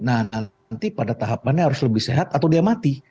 nah nanti pada tahapannya harus lebih sehat atau dia mati